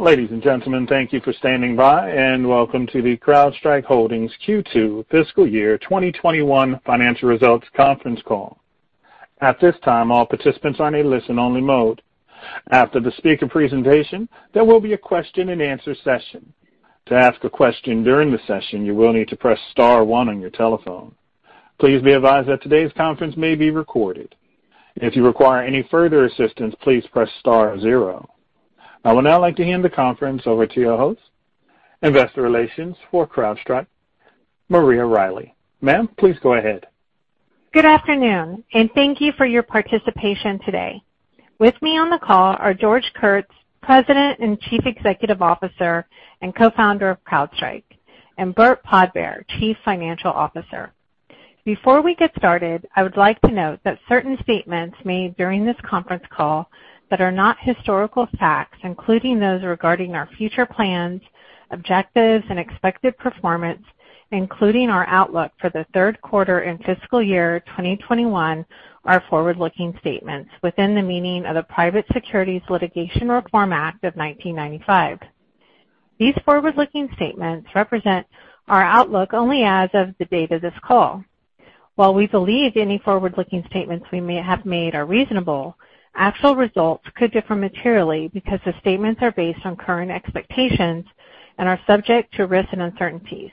Ladies and gentlemen, thank you for standing by and welcome to the CrowdStrike Holdings Q2 fiscal year 2021 financial results conference call. At this time, all participants are in listen-only mode. After the speaker presentation, there will be a question-and-answer session. To ask a question during the session, you will need to press star one on your telephone. Please be advised that today's conference may be recorded. If you require any further assistance, please press star zero. I would now like to hand the conference over to your host, investor relations for CrowdStrike, Maria Riley. Ma'am, please go ahead. Good afternoon, and thank you for your participation today. With me on the call are George Kurtz, President and Chief Executive Officer and Co-Founder of CrowdStrike, and Burt Podbere, Chief Financial Officer. Before we get started, I would like to note that certain statements made during this conference call that are not historical facts, including those regarding our future plans, objectives, and expected performance, including our outlook for the third quarter and fiscal year 2021, are forward-looking statements within the meaning of the Private Securities Litigation Reform Act of 1995. These forward-looking statements represent our outlook only as of the date of this call. While we believe any forward-looking statements we may have made are reasonable, actual results could differ materially because the statements are based on current expectations and are subject to risks and uncertainties.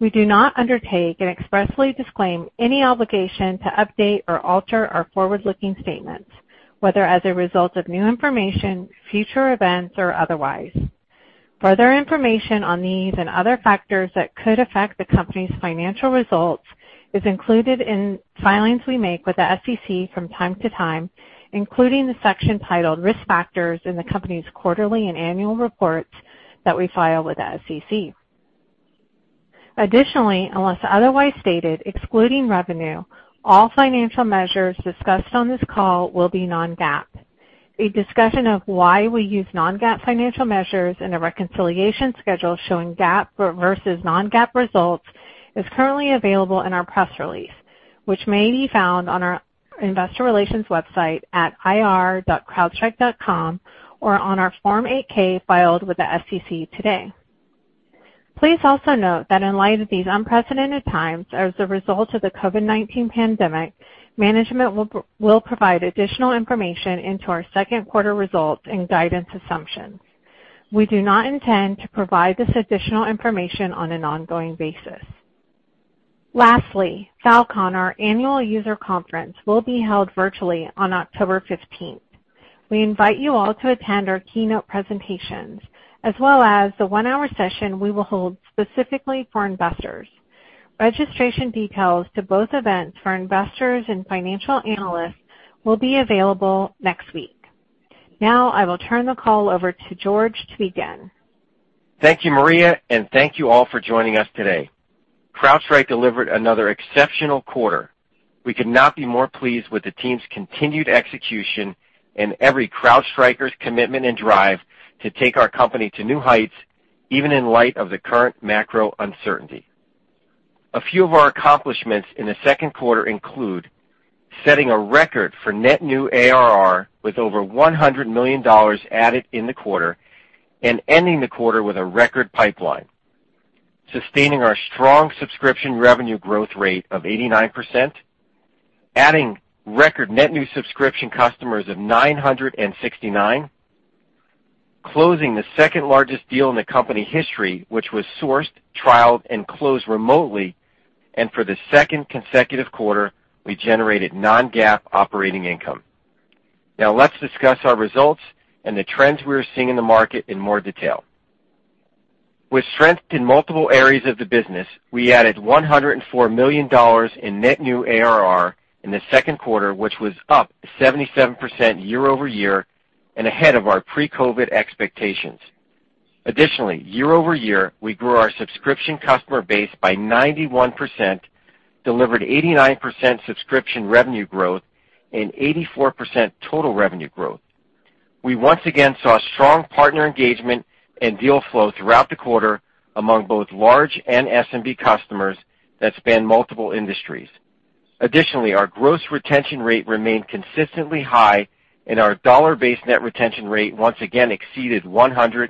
We do not undertake and expressly disclaim any obligation to update or alter our forward-looking statements, whether as a result of new information, future events, or otherwise. Further information on these and other factors that could affect the company's financial results is included in filings we make with the SEC from time to time, including the section titled Risk Factors in the company's quarterly and annual reports that we file with the SEC. Additionally, unless otherwise stated, excluding revenue, all financial measures discussed on this call will be non-GAAP. A discussion of why we use non-GAAP financial measures and a reconciliation schedule showing GAAP versus non-GAAP results is currently available in our press release, which may be found on our Investor Relations website at ir.crowdstrike.com or on our Form 8-K filed with the SEC today. Please also note that in light of these unprecedented times, as a result of the COVID-19 pandemic, management will provide additional information into our second quarter results and guidance assumptions. We do not intend to provide this additional information on an ongoing basis. Lastly, Fal.Con, our Annual User Conference, will be held virtually on October 15th. We invite you all to attend our keynote presentations as well as the one-hour session we will hold specifically for investors. Registration details to both events for investors and financial analysts will be available next week. Now, I will turn the call over to George to begin. Thank you, Maria, and thank you all for joining us today. CrowdStrike delivered another exceptional quarter. We could not be more pleased with the team's continued execution and every CrowdStriker's commitment and drive to take our company to new heights, even in light of the current macro uncertainty. A few of our accomplishments in the second quarter include setting a record for net new ARR with over $100 million added in the quarter and ending the quarter with a record pipeline, sustaining our strong subscription revenue growth rate of 89%, adding record net new subscription customers of 969, closing the second-largest deal in the company history, which was sourced, trialed, and closed remotely, and for the second consecutive quarter, we generated non-GAAP operating income. Let's discuss our results and the trends we are seeing in the market in more detail. With strength in multiple areas of the business, we added $104 million in net new ARR in the second quarter, which was up 77% year-over-year and ahead of our pre-COVID expectations. Additionally, year-over-year, we grew our subscription customer base by 91%, delivered 89% subscription revenue growth, and 84% total revenue growth. We once again saw strong partner engagement and deal flow throughout the quarter among both large and SMB customers that span multiple industries. Additionally, our gross retention rate remained consistently high, and our dollar-based net retention rate once again exceeded 120%.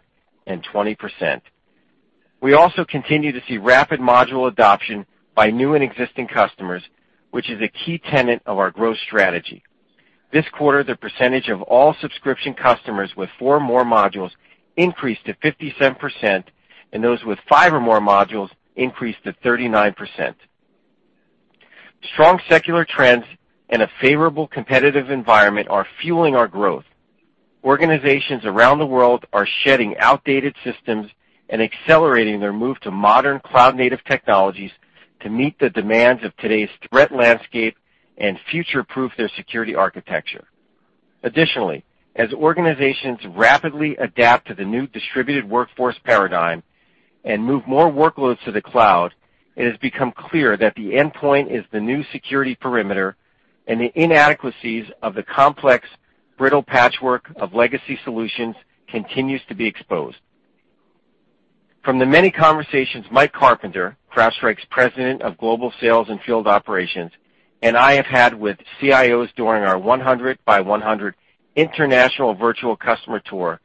We also continue to see rapid module adoption by new and existing customers, which is a key tenet of our growth strategy. This quarter, the percentage of all subscription customers with four or more modules increased to 57%, and those with five or more modules increased to 39%. Strong secular trends and a favorable competitive environment are fueling our growth. Organizations around the world are shedding outdated systems and accelerating their move to modern cloud-native technologies to meet the demands of today's threat landscape and future-proof their security architecture. Additionally, as organizations rapidly adapt to the new distributed workforce paradigm and move more workloads to the cloud, it has become clear that the endpoint is the new security perimeter, and the inadequacies of the complex, brittle patchwork of legacy solutions continues to be exposed. From the many conversations Mike Carpenter, CrowdStrike's President of Global Sales and Field Operations, and I have had with CIOs during our 100-by-100 international virtual customer tour,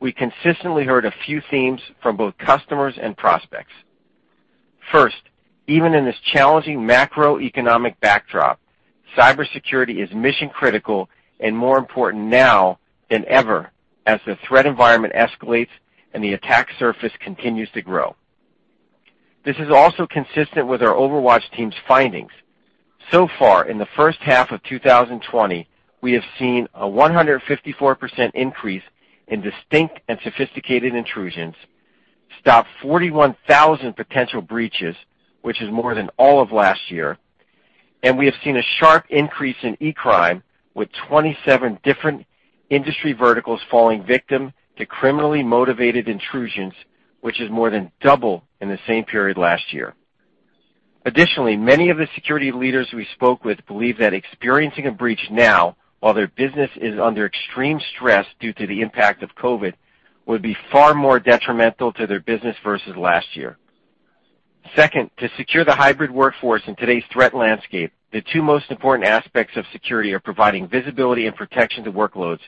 we consistently heard a few themes from both customers and prospects. First, even in this challenging macroeconomic backdrop, cybersecurity is mission-critical and more important now than ever as the threat environment escalates and the attack surface continues to grow. This is also consistent with our OverWatch team's findings. So far, in the first half of 2020, we have seen a 154% increase in distinct and sophisticated intrusions, stopped 41,000 potential breaches, which is more than all of last year, and we have seen a sharp increase in e-crime, with 27 different industry verticals falling victim to criminally motivated intrusions, which is more than double in the same period last year. Additionally, many of the security leaders we spoke with believe that experiencing a breach now while their business is under extreme stress due to the impact of COVID would be far more detrimental to their business versus last year. Second, to secure the hybrid workforce in today's threat landscape, the two most important aspects of security are providing visibility and protection to workloads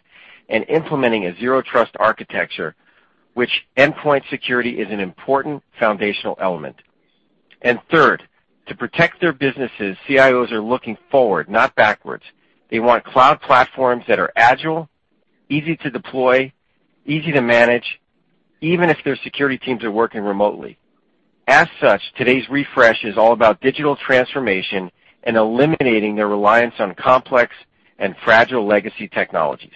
and implementing a zero trust architecture, which endpoint security is an important foundational element. Third, to protect their businesses, CIOs are looking forward, not backwards. They want cloud platforms that are agile, easy to deploy, easy to manage, even if their security teams are working remotely. Today's refresh is all about digital transformation and eliminating their reliance on complex and fragile legacy technologies.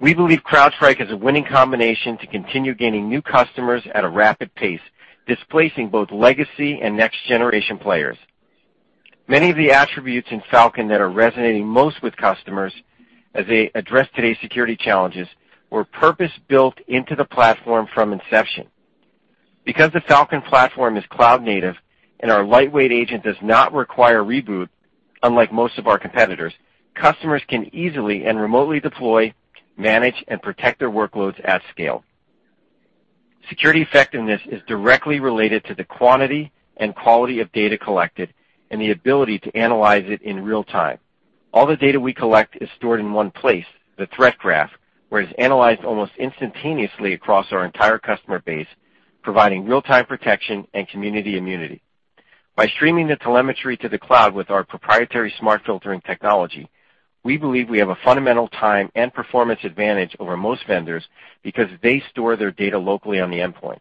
We believe CrowdStrike is a winning combination to continue gaining new customers at a rapid pace, displacing both legacy and next-generation players. Many of the attributes in Falcon that are resonating most with customers as they address today's security challenges were purpose-built into the platform from inception. Because the Falcon platform is cloud-native and our lightweight agent does not require reboot, unlike most of our competitors, customers can easily and remotely deploy, manage, and protect their workloads at scale. Security effectiveness is directly related to the quantity and quality of data collected and the ability to analyze it in real time. All the data we collect is stored in one place, the Threat Graph, where it is analyzed almost instantaneously across our entire customer base, providing real-time protection and community immunity. By streaming the telemetry to the cloud with our proprietary smart filtering technology, we believe we have a fundamental time and performance advantage over most vendors because they store their data locally on the endpoint.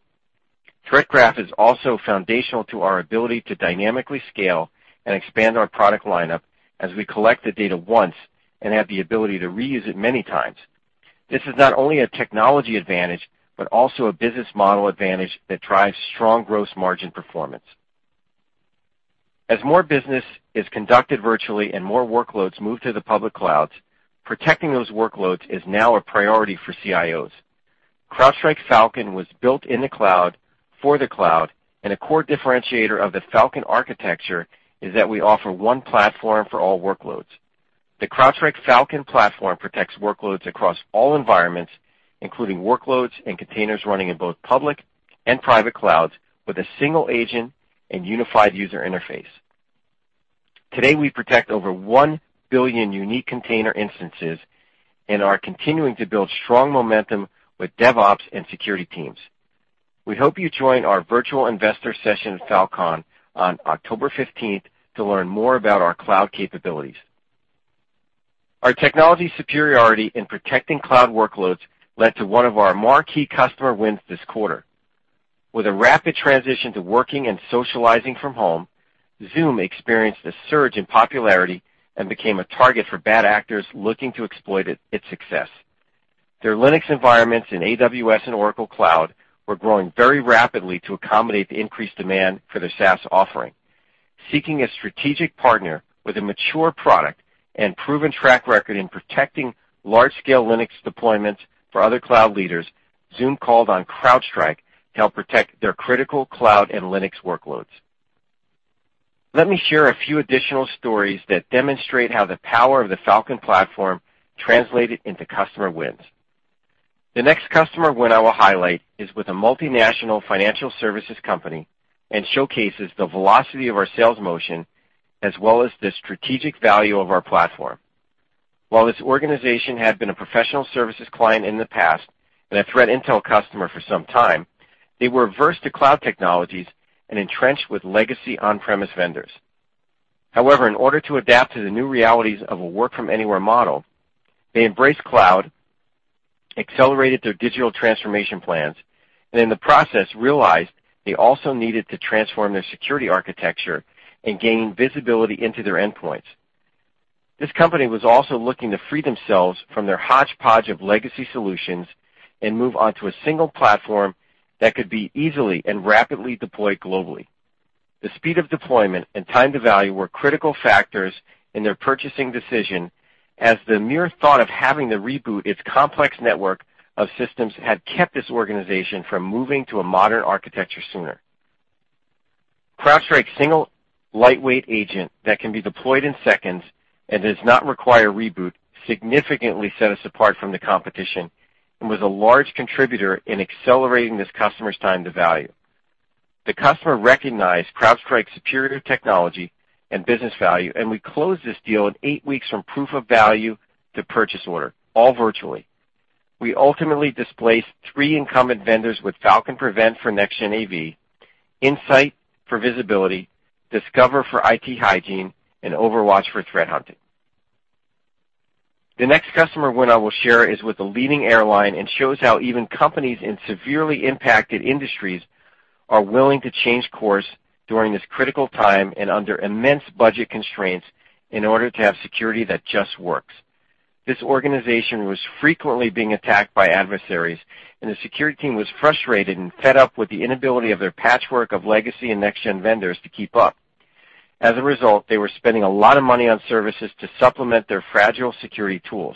Threat Graph is also foundational to our ability to dynamically scale and expand our product lineup as we collect the data once and have the ability to reuse it many times. This is not only a technology advantage but also a business model advantage that drives strong gross margin performance. As more business is conducted virtually and more workloads move to the public clouds, protecting those workloads is now a priority for CIOs. CrowdStrike Falcon was built in the cloud for the cloud, and a core differentiator of the Falcon architecture is that we offer one platform for all workloads. The CrowdStrike Falcon platform protects workloads across all environments, including workloads and containers running in both public and private clouds with a single agent and unified user interface. Today, we protect over 1 billion unique container instances and are continuing to build strong momentum with DevOps and security teams. We hope you join our virtual investor session, Fal.Con, on October 15th to learn more about our cloud capabilities. Our technology superiority in protecting cloud workloads led to one of our marquee customer wins this quarter. With a rapid transition to working and socializing from home, Zoom experienced a surge in popularity and became a target for bad actors looking to exploit its success. Their Linux environments in AWS and Oracle Cloud were growing very rapidly to accommodate the increased demand for their SaaS offering. Seeking a strategic partner with a mature product and proven track record in protecting large-scale Linux deployments for other cloud leaders, Zoom called on CrowdStrike to help protect their critical cloud and Linux workloads. Let me share a few additional stories that demonstrate how the power of the Falcon platform translated into customer wins. The next customer win I will highlight is with a multinational financial services company and showcases the velocity of our sales motion as well as the strategic value of our platform. While this organization had been a professional services client in the past and a threat intel customer for some time, they were averse to cloud technologies and entrenched with legacy on-premise vendors. However, in order to adapt to the new realities of a work-from-anywhere model, they embraced cloud, accelerated their digital transformation plans, and in the process realized they also needed to transform their security architecture and gain visibility into their endpoints. This company was also looking to free themselves from their hodgepodge of legacy solutions and move onto a single platform that could be easily and rapidly deployed globally. The speed of deployment and time to value were critical factors in their purchasing decision, as the mere thought of having to reboot its complex network of systems had kept this organization from moving to a modern architecture sooner. CrowdStrike single lightweight agent that can be deployed in seconds and does not require reboot, significantly set us apart from the competition and was a large contributor in accelerating this customer's time to value. The customer recognized CrowdStrike's superior technology and business value, and we closed this deal in eight weeks from proof of value to purchase order, all virtually. We ultimately displaced three incumbent vendors with Falcon Prevent for next-gen AV, Insight for visibility, Discover for IT hygiene, and OverWatch for threat hunting. The next customer win I will share is with a leading airline and shows how even companies and severely impacted industries are willing to change course during this critical time and under immense budget constraints in order to have security that just works. This organization was frequently being attacked by adversaries, and the security team was frustrated and fed up with the inability of their patchwork of legacy and next-gen vendors to keep up. As a result, they were spending a lot of money on services to supplement their fragile security tools.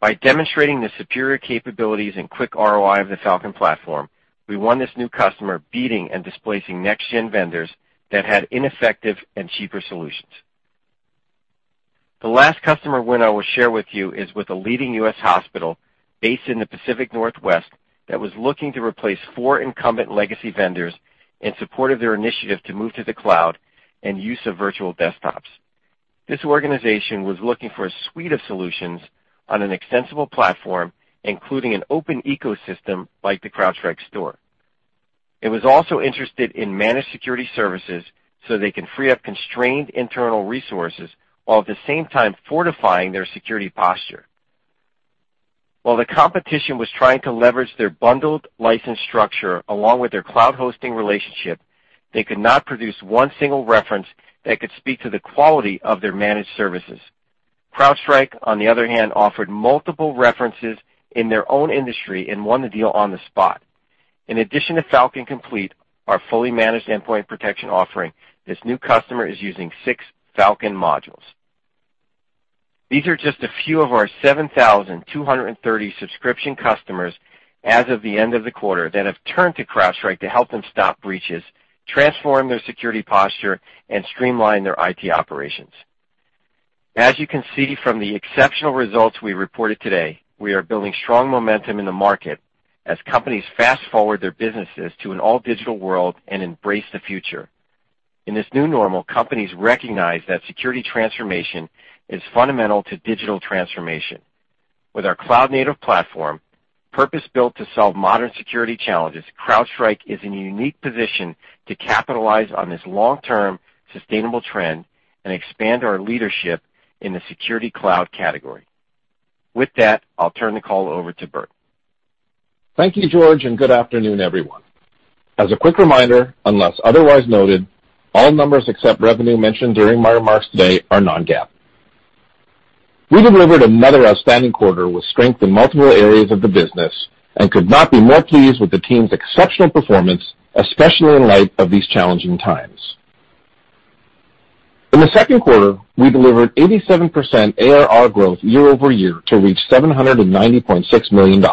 By demonstrating the superior capabilities and quick ROI of the Falcon platform, we won this new customer, beating and displacing next-gen vendors that had ineffective and cheaper solutions. The last customer win I will share with you is with a leading U.S. hospital based in the Pacific Northwest that was looking to replace four incumbent legacy vendors in support of their initiative to move to the cloud and use of virtual desktops. This organization was looking for a suite of solutions on an extensible platform, including an open ecosystem like the CrowdStrike Store. It was also interested in managed security services so they can free up constrained internal resources while at the same time fortifying their security posture. While the competition was trying to leverage their bundled license structure along with their cloud hosting relationship, they could not produce one single reference that could speak to the quality of their managed services. CrowdStrike, on the other hand, offered multiple references in their own industry and won the deal on the spot. In addition to Falcon Complete, our fully managed endpoint protection offering, this new customer is using six Falcon modules. These are just a few of our 7,230 subscription customers as of the end of the quarter that have turned to CrowdStrike to help them stop breaches, transform their security posture, and streamline their IT operations. As you can see from the exceptional results we reported today, we are building strong momentum in the market as companies fast-forward their businesses to an all-digital world and embrace the future. In this new normal, companies recognize that security transformation is fundamental to digital transformation. With our cloud-native platform, purpose-built to solve modern security challenges, CrowdStrike is in a unique position to capitalize on this long-term sustainable trend and expand our leadership in the security cloud category. With that, I'll turn the call over to Burt. Thank you, George. Good afternoon, everyone. As a quick reminder, unless otherwise noted, all numbers except revenue mentioned during my remarks today are non-GAAP. We delivered another outstanding quarter with strength in multiple areas of the business and could not be more pleased with the team's exceptional performance, especially in light of these challenging times. In the second quarter, we delivered 87% ARR growth year-over-year to reach $790.6 million.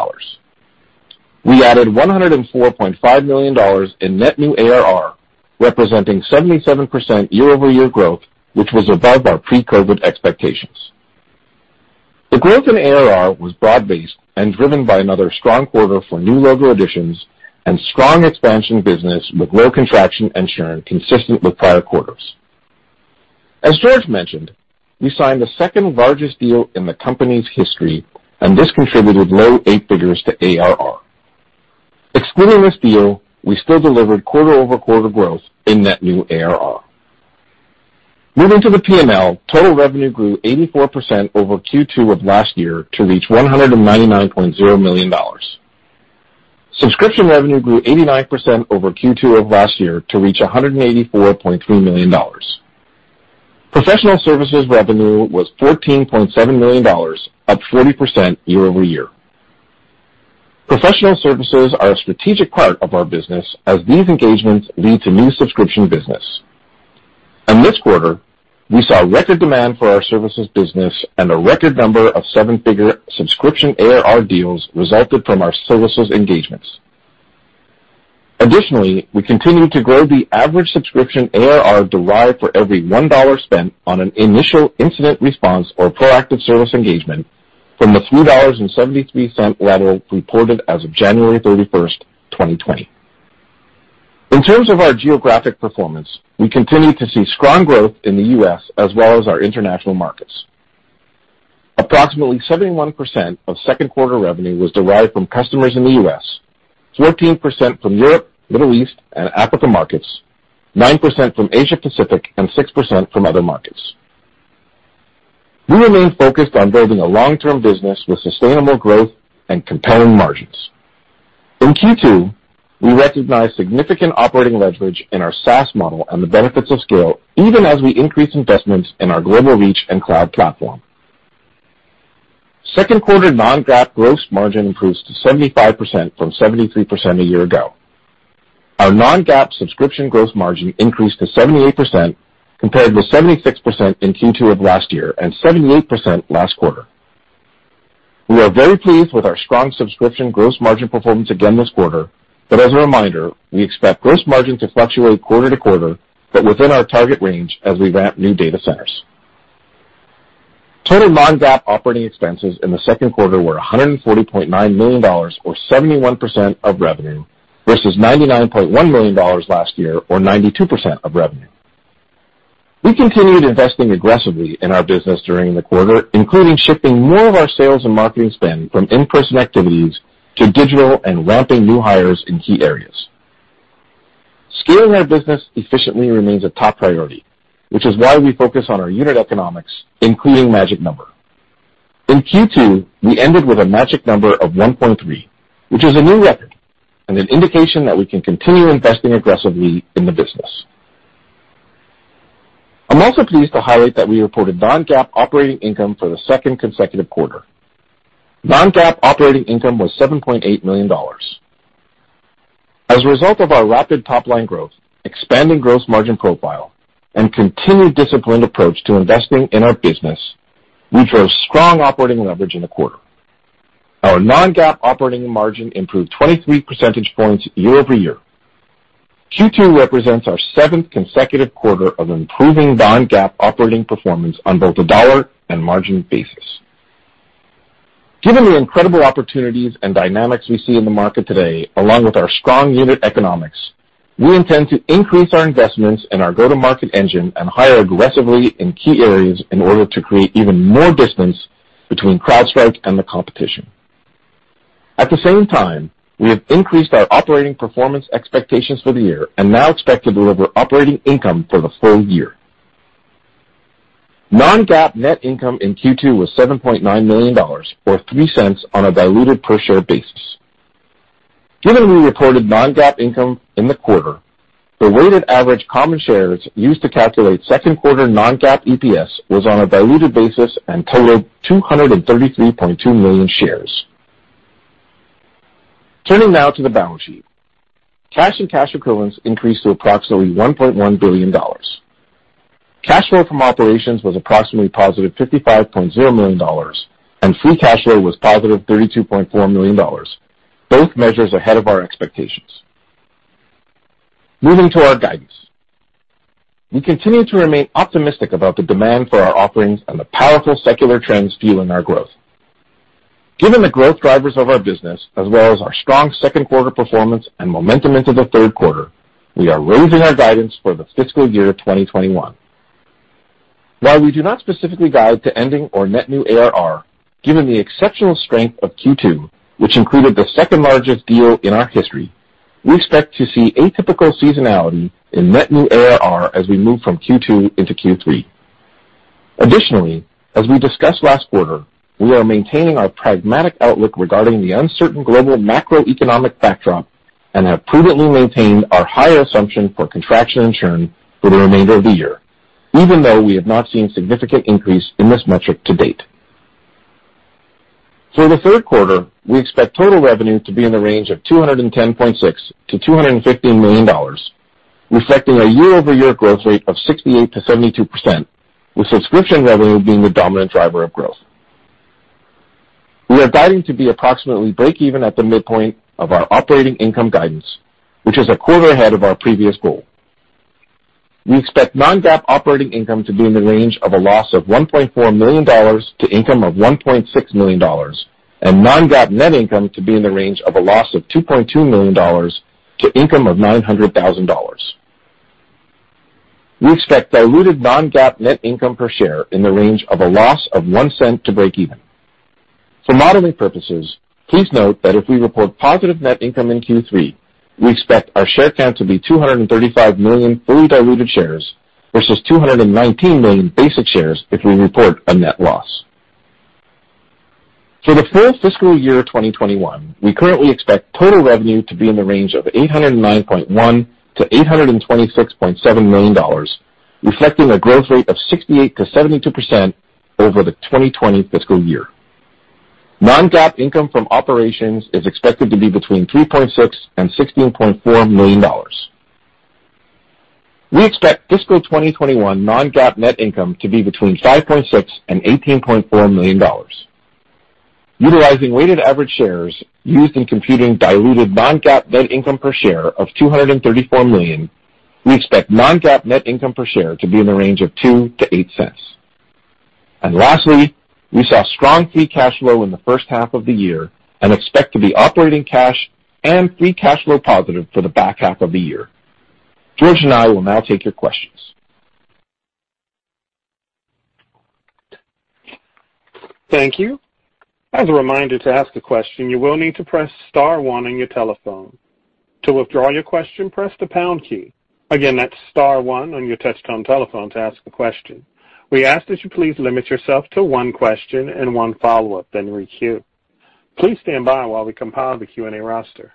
We added $104.5 million in net new ARR, representing 77% year-over-year growth, which was above our pre-COVID expectations. The growth in ARR was broad-based and driven by another strong quarter for new logo additions and strong expansion business with low contraction and churn consistent with prior quarters. As George mentioned, we signed the second-largest deal in the company's history, and this contributed low eight figures to ARR. Excluding this deal, we still delivered quarter-over-quarter growth in net new ARR. Moving to the P&L, total revenue grew 84% over Q2 of last year to reach $199.0 million. Subscription revenue grew 89% over Q2 of last year to reach $184.3 million. Professional services revenue was $14.7 million, up 40% year-over-year. Professional services are a strategic part of our business as these engagements lead to new subscription business, and this quarter we saw record demand for our services business and a record number of seven-figure subscription ARR deals resulted from our services engagements. Additionally, we continued to grow the average subscription ARR derived for every $1 spent on an initial incident response or proactive service engagement from the $3.73 level reported as of January 31st, 2020. In terms of our geographic performance, we continued to see strong growth in the U.S. as well as our international markets. Approximately 71% of second quarter revenue was derived from customers in the U.S., 14% from Europe, Middle East, and Africa markets, 9% from Asia Pacific, and 6% from other markets. We remain focused on building a long-term business with sustainable growth and compelling margins. In Q2, we recognized significant operating leverage in our SaaS model and the benefits of scale even as we increase investments in our global reach and cloud platform. Second quarter non-GAAP gross margin improved to 75% from 73% a year ago. Our non-GAAP subscription gross margin increased to 78% compared with 76% in Q2 of last year and 78% last quarter. We are very pleased with our strong subscription gross margin performance again this quarter. As a reminder, we expect gross margin to fluctuate quarter to quarter, but within our target range as we ramp new data centers. Total non-GAAP operating expenses in the second quarter were $140.9 million or 71% of revenue versus $99.1 million last year, or 92% of revenue. We continued investing aggressively in our business during the quarter, including shifting more of our sales and marketing spend from in-person activities to digital and ramping new hires in key areas. Scaling our business efficiently remains a top priority, which is why we focus on our unit economics, including magic number. In Q2, we ended with a magic number of 1.3, which is a new record and an indication that we can continue investing aggressively in the business. I'm also pleased to highlight that we reported non-GAAP operating income for the second consecutive quarter. Non-GAAP operating income was $7.8 million. As a result of our rapid top-line growth, expanding gross margin profile, and continued disciplined approach to investing in our business, we drove strong operating leverage in the quarter. Our non-GAAP operating margin improved 23 percentage points year-over-year. Q2 represents our seventh consecutive quarter of improving non-GAAP operating performance on both a dollar and margin basis. Given the incredible opportunities and dynamics we see in the market today, along with our strong unit economics, we intend to increase our investments in our go-to-market engine and hire aggressively in key areas in order to create even more distance between CrowdStrike and the competition. At the same time, we have increased our operating performance expectations for the year and now expect to deliver operating income for the full year. Non-GAAP net income in Q2 was $7.9 million, or $0.03 on a diluted per share basis. Given we reported non-GAAP income in the quarter, the weighted average common shares used to calculate second quarter non-GAAP EPS was on a diluted basis and totaled 233.2 million shares. Turning now to the balance sheet. Cash and cash equivalents increased to approximately $1.1 billion. Cash flow from operations was approximately positive $55.0 million, and free cash flow was positive $32.4 million, both measures ahead of our expectations. Moving to our guidance. We continue to remain optimistic about the demand for our offerings and the powerful secular trends fueling our growth. Given the growth drivers of our business, as well as our strong second quarter performance and momentum into the third quarter, we are raising our guidance for the fiscal year 2021. While we do not specifically guide to ending or net new ARR, given the exceptional strength of Q2, which included the second-largest deal in our history, we expect to see atypical seasonality in net new ARR as we move from Q2 into Q3. Additionally, as we discussed last quarter, we are maintaining our pragmatic outlook regarding the uncertain global macroeconomic backdrop and have prudently maintained our higher assumption for contraction churn for the remainder of the year, even though we have not seen a significant increase in this metric to date. For the third quarter, we expect total revenue to be in the range of $210.6 million-$215 million, reflecting a year-over-year growth rate of 68%-72%, with subscription revenue being the dominant driver of growth. We are guiding to be approximately breakeven at the midpoint of our operating income guidance, which is a quarter ahead of our previous goal. We expect non-GAAP operating income to be in the range of a loss of $1.4 million to income of $1.6 million and non-GAAP net income to be in the range of a loss of $2.2 million to income of $900,000. We expect diluted non-GAAP net income per share in the range of a loss of $0.01 to breakeven. For modeling purposes, please note that if we report positive net income in Q3, we expect our share count to be 235 million fully diluted shares versus 219 million basic shares if we report a net loss. For the full fiscal year 2021, we currently expect total revenue to be in the range of $809.1 million-$826.7 million, reflecting a growth rate of 68%-72% over the 2020 fiscal year. Non-GAAP income from operations is expected to be between $3.6 million and $16.4 million. We expect fiscal 2021 non-GAAP net income to be between $5.6 million and $18.4 million. Utilizing weighted average shares used in computing diluted non-GAAP net income per share of 234 million, we expect non-GAAP net income per share to be in the range of $0.02-$0.08. Lastly, we saw strong free cash flow in the first half of the year and expect to be operating cash and free cash flow positive for the back half of the year. George and I will now take your questions. Thank you. As a reminder, to ask a question, you will need to press star one on your telephone. To withdraw your question, press the pound key. Again, that's star one on your touchtone telephone to ask a question. We ask that you please limit yourself to one question and one follow-up, then requeue. Please stand by while we compile the Q&A roster.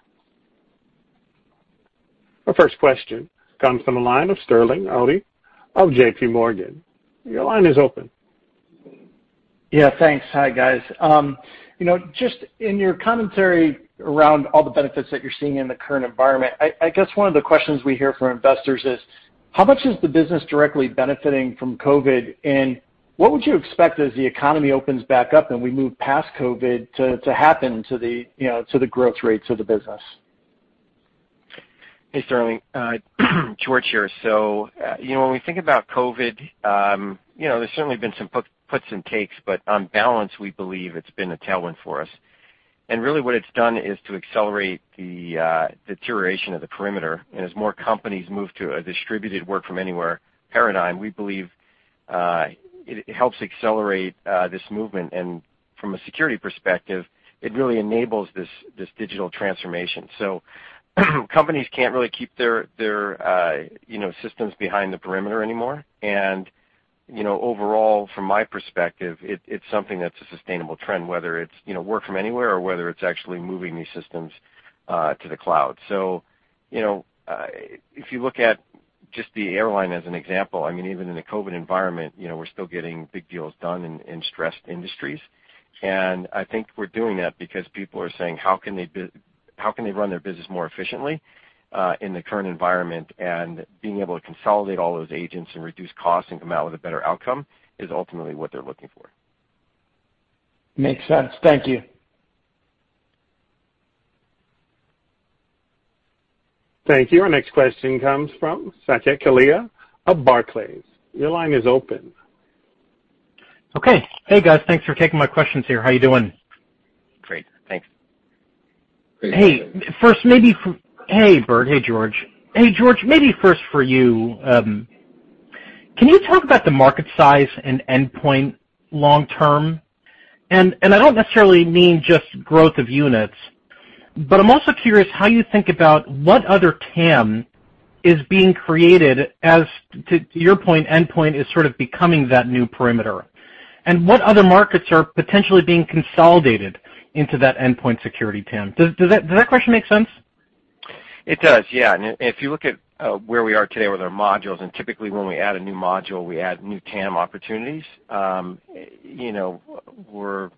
Our first question comes from the line of Sterling Auty of JPMorgan. Your line is open. Yeah, thanks. Hi, guys. Just in your commentary around all the benefits that you're seeing in the current environment, I guess one of the questions we hear from investors is, how much is the business directly benefiting from COVID? What would you expect as the economy opens back up and we move past COVID to happen to the growth rates of the business? Hey, Sterling. George here. When we think about COVID, there's certainly been some puts and takes, but on balance, we believe it's been a tailwind for us. Really what it's done is to accelerate the deterioration of the perimeter. As more companies move to a distributed work from anywhere paradigm, we believe it helps accelerate this movement. From a security perspective, it really enables this digital transformation. Companies can't really keep their systems behind the perimeter anymore. Overall, from my perspective, it's something that's a sustainable trend, whether it's work from anywhere or whether it's actually moving these systems to the cloud. If you look at just the airline as an example, even in a COVID environment, we're still getting big deals done in stressed industries. I think we're doing that because people are saying, how can they run their business more efficiently in the current environment? Being able to consolidate all those agents and reduce costs and come out with a better outcome is ultimately what they're looking for. Makes sense. Thank you. Thank you. Our next question comes from Saket Kalia of Barclays. Your line is open. Okay. Hey, guys. Thanks for taking my questions here. How are you doing? Great. Thanks. Hey. Hey, Burt. Hey, George. Hey, George, maybe first for you. Can you talk about the market size and endpoint long term? I don't necessarily mean just growth of units, but I'm also curious how you think about what other TAM is being created as, to your point, endpoint is sort of becoming that new perimeter. What other markets are potentially being consolidated into that endpoint security TAM? Does that question make sense? It does, yeah. If you look at where we are today with our modules, typically when we add a new module, we add new TAM opportunities. We're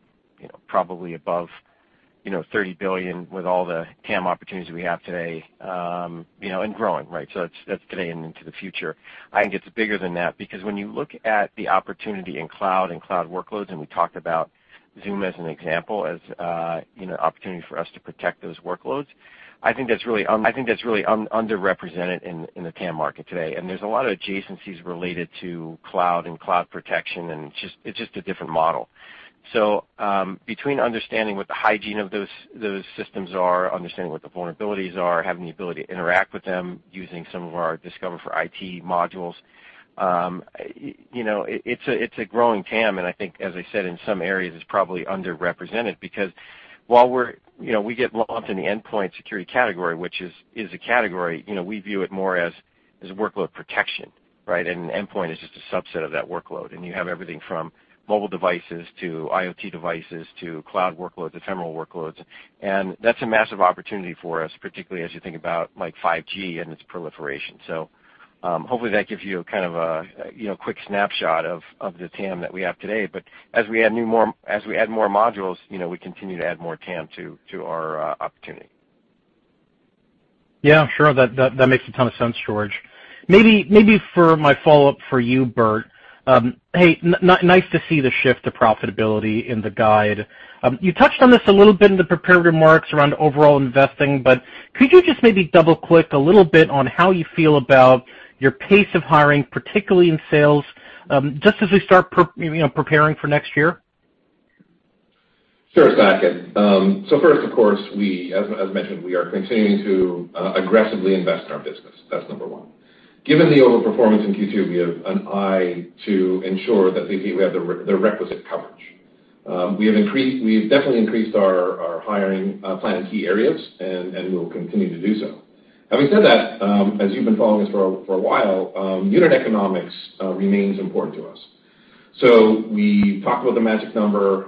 probably above $30 billion with all the TAM opportunities we have today, growing, right? That's today and into the future. I think it's bigger than that because when you look at the opportunity in cloud and cloud workloads, we talked about Zoom as an example, as an opportunity for us to protect those workloads. I think that's really underrepresented in the TAM market today. There's a lot of adjacencies related to cloud and cloud protection, it's just a different model. Between understanding what the hygiene of those systems are, understanding what the vulnerabilities are, having the ability to interact with them using some of our Discover for IT modules, it's a growing TAM. I think, as I said, in some areas, it's probably underrepresented because while we get lumped in the endpoint security category, which is a category, we view it more as workload protection, right? Endpoint is just a subset of that workload. You have everything from mobile devices to IoT devices, to cloud workloads, ephemeral workloads. That's a massive opportunity for us, particularly as you think about 5G and its proliferation. Hopefully, that gives you a kind of quick snapshot of the TAM that we have today. As we add more modules, we continue to add more TAM to our opportunity. Yeah, sure. That makes a ton of sense, George. Maybe for my follow-up for you, Burt. Hey, nice to see the shift to profitability in the guide. You touched on this a little bit in the prepared remarks around overall investing, but could you just maybe double-click a little bit on how you feel about your pace of hiring, particularly in sales, just as we start preparing for next year? Sure, Saket. First, of course, as mentioned, we are continuing to aggressively invest in our business. That's number one. Given the overperformance in Q2, we have an eye to ensure that we have the requisite coverage. We've definitely increased our hiring plan in key areas, and we will continue to do so. Having said that, as you've been following us for a while, unit economics remains important to us. We talked about the magic number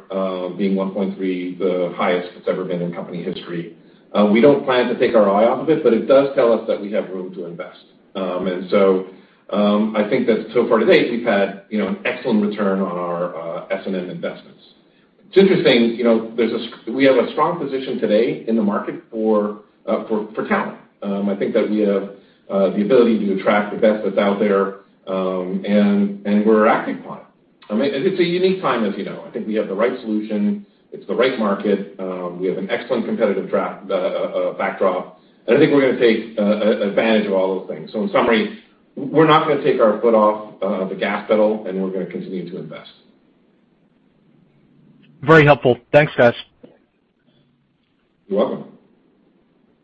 being 1.3, the highest it's ever been in company history. We don't plan to take our eye off of it, but it does tell us that we have room to invest. I think that so far to date, we've had an excellent return on our S&M investments. It's interesting, we have a strong position today in the market for talent. I think that we have the ability to attract the best that's out there. We're acting upon it. I mean, it's a unique time, as you know. I think we have the right solution, it's the right market. We have an excellent competitive backdrop. I think we're going to take advantage of all those things. In summary, we're not going to take our foot off the gas pedal. We're going to continue to invest. Very helpful. Thanks, guys. You're welcome.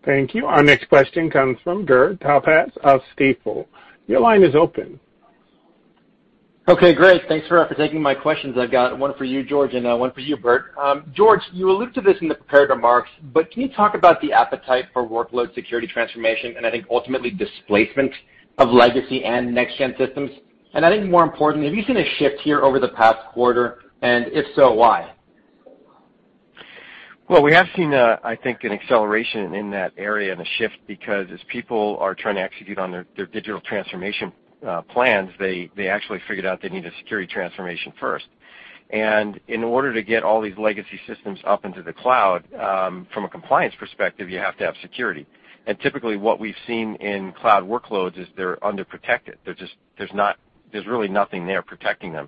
Thank you. Our next question comes from Gur Talpaz of Stifel. Your line is open. Okay, great. Thanks for taking my questions. I've got one for you, George, and one for you, Burt. George, you alluded to this in the prepared remarks, can you talk about the appetite for workload security transformation and I think ultimately displacement of legacy and next-gen systems? I think more importantly, have you seen a shift here over the past quarter? If so, why? Well, we have seen, I think, an acceleration in that area and a shift because as people are trying to execute on their digital transformation plans, they actually figured out they need a security transformation first. In order to get all these legacy systems up into the cloud, from a compliance perspective, you have to have security. Typically what we've seen in cloud workloads is they're underprotected. There's really nothing there protecting them.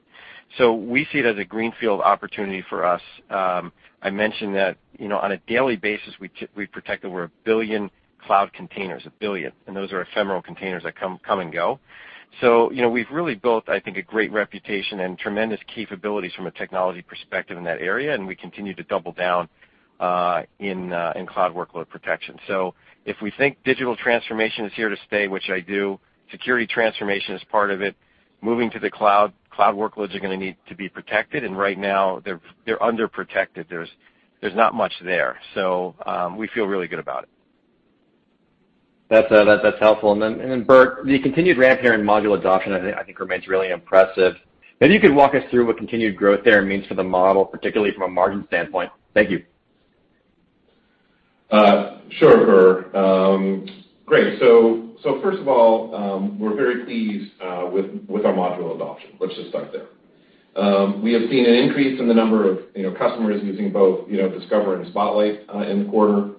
We see it as a greenfield opportunity for us. I mentioned that on a daily basis, we protect over 1 billion cloud containers, 1 billion, and those are ephemeral containers that come and go. We've really built, I think, a great reputation and tremendous capabilities from a technology perspective in that area, and we continue to double down in cloud workload protection. If we think digital transformation is here to stay, which I do, security transformation is part of it. Moving to the cloud workloads are going to need to be protected, and right now they're underprotected. There's not much there. We feel really good about it. That's helpful. Burt, the continued ramp here in module adoption, I think remains really impressive. Maybe you could walk us through what continued growth there means for the model, particularly from a margin standpoint. Thank you. Sure, Gur. Great. First of all, we're very pleased with our module adoption. Let's just start there. We have seen an increase in the number of customers using both Discover and Spotlight in the quarter.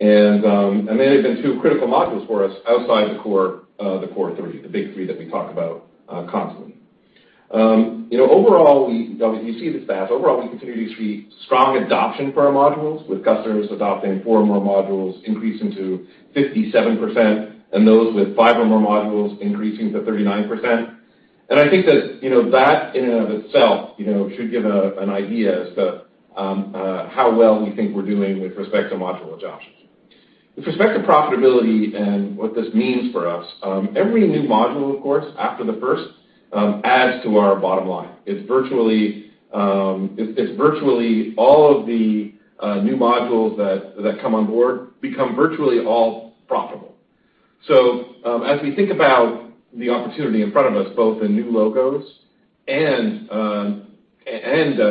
They have been two critical modules for us outside the core three, the big three that we talk about constantly. You see the stats. Overall, we continue to see strong adoption for our modules, with customers adopting four or more modules increasing to 57%, and those with five or more modules increasing to 39%. I think that in and of itself should give an idea as to how well we think we're doing with respect to module adoption. With respect to profitability and what this means for us, every new module, of course, after the first, adds to our bottom line. It's virtually all of the new modules that come on board become virtually all profitable. As we think about the opportunity in front of us, both in new logos and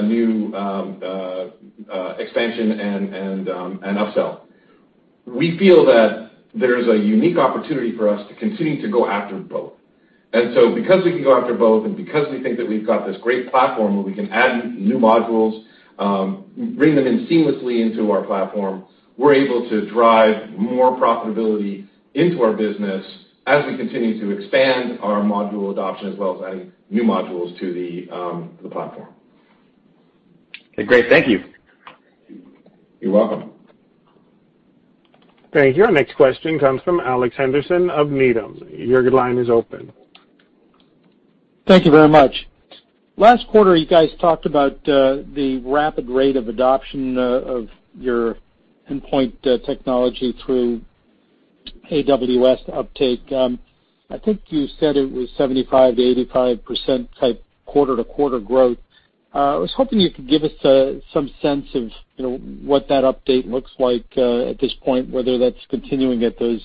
new expansion and upsell, we feel that there's a unique opportunity for us to continue to go after both. Because we can go after both and because we think that we've got this great platform where we can add new modules, bring them in seamlessly into our platform, we're able to drive more profitability into our business as we continue to expand our module adoption, as well as adding new modules to the platform. Okay, great. Thank you. You're welcome. Thank you. Our next question comes from Alex Henderson of Needham. Your line is open. Thank you very much. Last quarter, you guys talked about the rapid rate of adoption of your endpoint technology through AWS uptake. I think you said it was 75%-85% type quarter-to-quarter growth. I was hoping you could give us some sense of what that update looks like at this point, whether that's continuing at those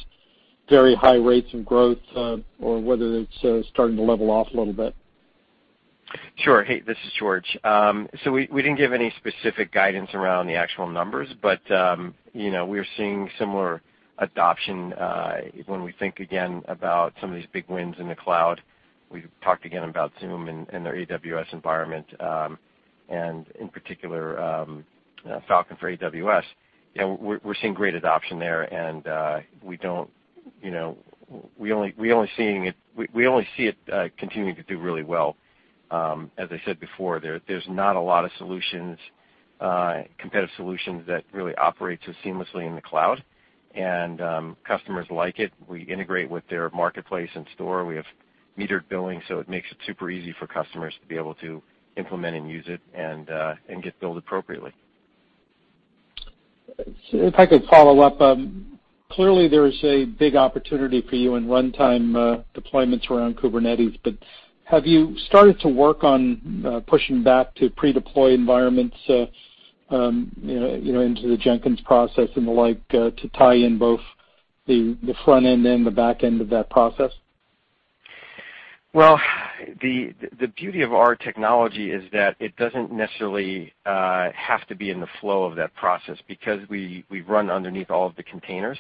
very high rates of growth or whether it's starting to level off a little bit. Hey, this is George. We didn't give any specific guidance around the actual numbers, but we're seeing similar adoption when we think again about some of these big wins in the cloud. We've talked again about Zoom and their AWS environment, and in particular, Falcon for AWS. We're seeing great adoption there, and we only see it continuing to do really well. As I said before, there's not a lot of competitive solutions that really operate so seamlessly in the cloud, and customers like it. We integrate with their marketplace and store. We have metered billing, so it makes it super easy for customers to be able to implement and use it and get billed appropriately. If I could follow up. Clearly, there is a big opportunity for you in runtime deployments around Kubernetes, but have you started to work on pushing back to pre-deploy environments into the Jenkins process and the like to tie in both the front end and the back end of that process? Well, the beauty of our technology is that it doesn't necessarily have to be in the flow of that process. Because we run underneath all of the containers,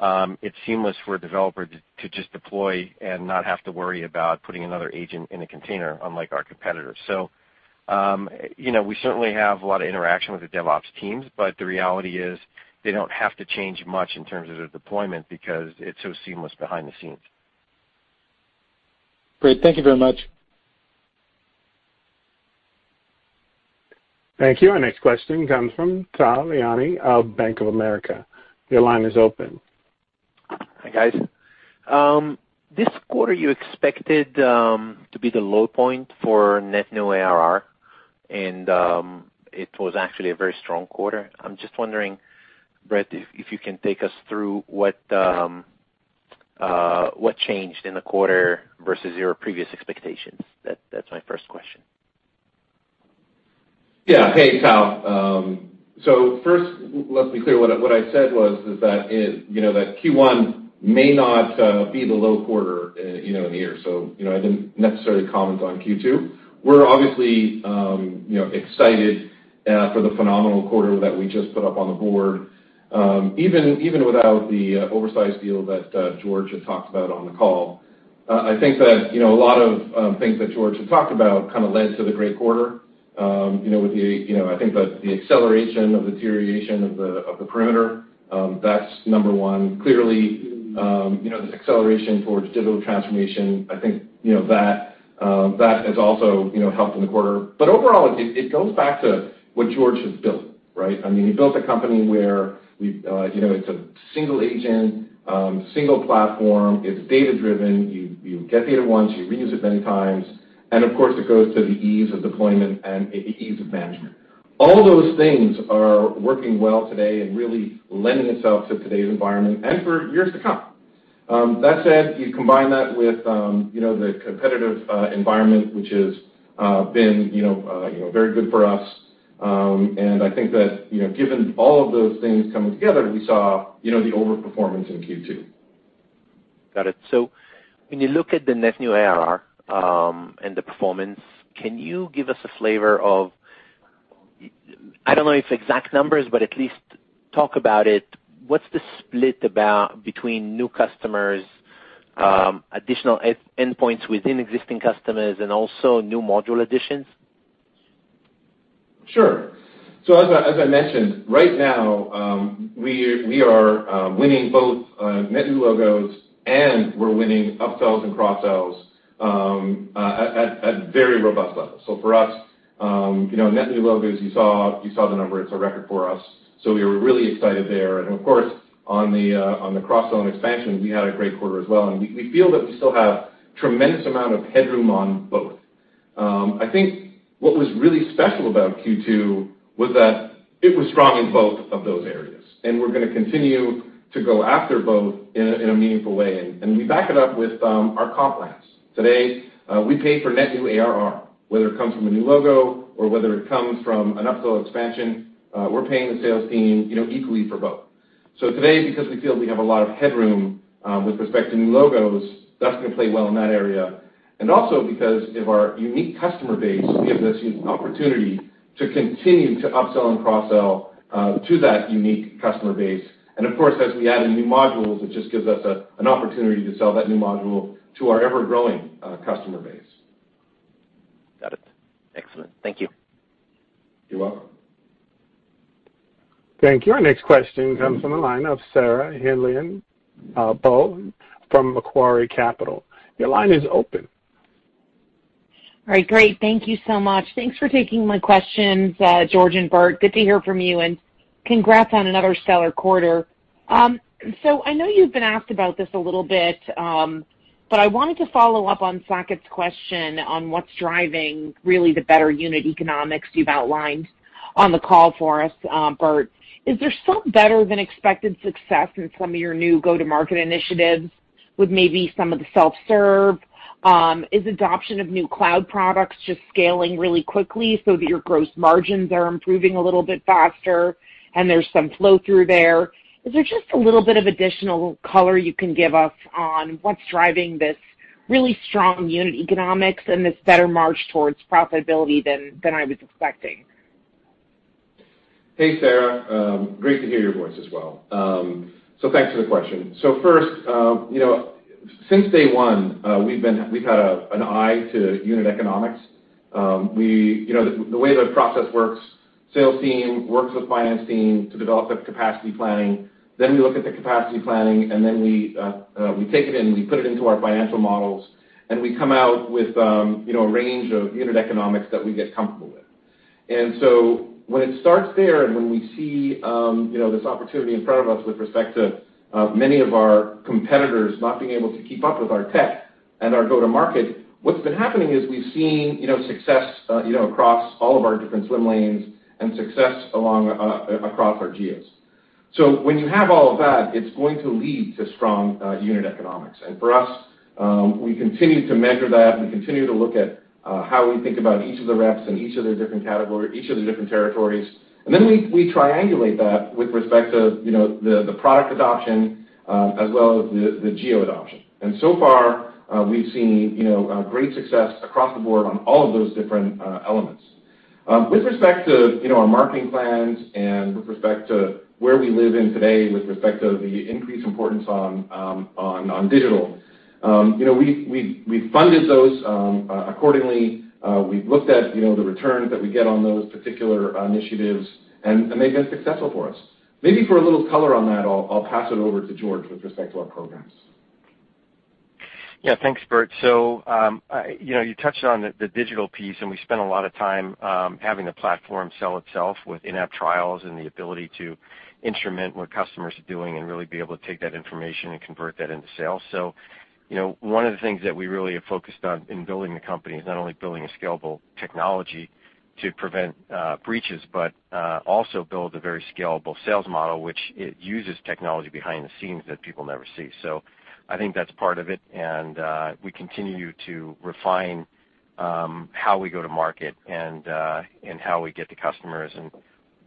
it's seamless for a developer to just deploy and not have to worry about putting another agent in a container, unlike our competitors. We certainly have a lot of interaction with the DevOps teams, but the reality is they don't have to change much in terms of their deployment because it's so seamless behind the scenes. Great. Thank you very much. Thank you. Our next question comes from Tal Liani of Bank of America. Your line is open. Hi, guys. This quarter you expected to be the low point for net new ARR, and it was actually a very strong quarter. I'm just wondering, Burt, if you can take us through what changed in the quarter versus your previous expectations? That's my first question. Yeah. Hey, Tal. First, let's be clear. What I said was that Q1 may not be the low quarter in the year. I didn't necessarily comment on Q2. We're obviously excited for the phenomenal quarter that we just put up on the board, even without the oversized deal that George had talked about on the call. I think that a lot of things that George had talked about led to the great quarter. I think that the acceleration of the deterioration of the perimeter, that's number one. Clearly, this acceleration towards digital transformation, I think that has also helped in the quarter. Overall, it goes back to what George has built, right? He built a company where it's a single agent, single platform, it's data-driven. You get data once, you reuse it many times, of course, it goes to the ease of deployment and ease of management. All those things are working well today and really lending itself to today's environment and for years to come. That said, you combine that with the competitive environment, which has been very good for us. I think that, given all of those things coming together, we saw the over-performance in Q2. Got it. When you look at the net new ARR and the performance, can you give us a flavor of, I don't know if exact numbers, but at least talk about it, what's the split about between new customers, additional endpoints within existing customers, and also new module additions? Sure. As I mentioned, right now, we are winning both net new logos, and we're winning upsells and cross-sells at very robust levels. For us, net new logos, you saw the number, it's a record for us. We were really excited there. Of course, on the cross-sell and expansion, we had a great quarter as well, and we feel that we still have tremendous amount of headroom on both. I think what was really special about Q2 was that it was strong in both of those areas, and we're going to continue to go after both in a meaningful way. We back it up with our comp plans. Today, we pay for net new ARR, whether it comes from a new logo or whether it comes from an upsell expansion, we're paying the sales team equally for both. Today, because we feel we have a lot of headroom with respect to new logos, that's going to play well in that area. Also because of our unique customer base, we have this huge opportunity to continue to upsell and cross-sell to that unique customer base. Of course, as we add in new modules, it just gives us an opportunity to sell that new module to our ever-growing customer base. Got it. Excellent. Thank you. You're welcome. Thank you. Our next question comes from the line of Sarah Hindlian-Bowler from Macquarie Capital. Your line is open. All right, great. Thank you so much. Thanks for taking my questions, George and Burt. Good to hear from you, congrats on another stellar quarter. I know you've been asked about this a little bit, but I wanted to follow up on Saket's question on what's driving really the better unit economics you've outlined on the call for us, Burt. Is there some better-than-expected success in some of your new go-to-market initiatives with maybe some of the self-serve? Is adoption of new cloud products just scaling really quickly so that your gross margins are improving a little bit faster and there's some flow-through there? Is there just a little bit of additional color you can give us on what's driving this really strong unit economics and this better march towards profitability than I was expecting? Hey, Sarah. Great to hear your voice as well. Thanks for the question. First, since day one, we've had an eye to unit economics. The way the process works, sales team works with finance team to develop the capacity planning. We look at the capacity planning, and then we take it in, we put it into our financial models, and we come out with a range of unit economics that we get comfortable with. When it starts there and when we see this opportunity in front of us with respect to many of our competitors not being able to keep up with our tech and our go-to-market, what's been happening is we've seen success across all of our different swim lanes and success across our geos. When you have all of that, it's going to lead to strong unit economics. For us, we continue to measure that. We continue to look at how we think about each of the reps in each of the different territories. We triangulate that with respect to the product adoption, as well as the geo adoption. So far, we've seen great success across the board on all of those different elements. With respect to our marketing plans and with respect to where we live in today, with respect to the increased importance on digital, we funded those accordingly. We've looked at the returns that we get on those particular initiatives, and they've been successful for us. Maybe for a little color on that, I'll pass it over to George with respect to our programs. Thanks, Burt. You touched on the digital piece, and we spent a lot of time having the platform sell itself with in-app trials and the ability to instrument what customers are doing and really be able to take that information and convert that into sales. One of the things that we really have focused on in building the company is not only building a scalable technology to prevent breaches, but also build a very scalable sales model, which it uses technology behind the scenes that people never see. I think that's part of it, and we continue to refine how we go to market and how we get to customers.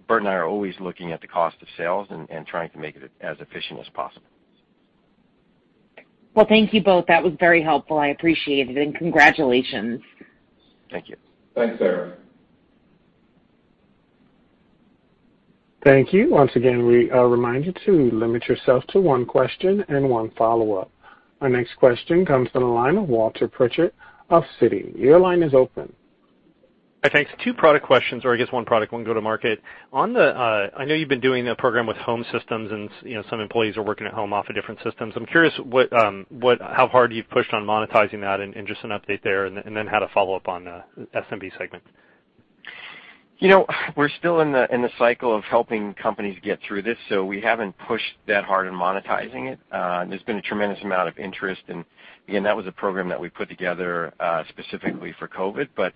Burt and I are always looking at the cost of sales and trying to make it as efficient as possible. Well, thank you both. That was very helpful. I appreciate it, and congratulations. Thank you. Thanks, Sarah. Thank you. Once again, we remind you to limit yourself to one question and one follow-up. Our next question comes from the line of Walter Pritchard of Citi. Your line is open. Hi. Thanks. Two product questions, or I guess one product, one go to market. I know you've been doing a program with home systems and some employees are working at home off of different systems. I'm curious how hard you've pushed on monetizing that and just an update there, and then had a follow-up on the SMB segment. We're still in the cycle of helping companies get through this, so we haven't pushed that hard in monetizing it. There's been a tremendous amount of interest, and again, that was a program that we put together, specifically for COVID, but